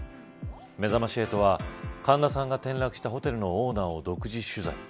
めざまし８は神田さんが転落したホテルのオーナーを独自取材。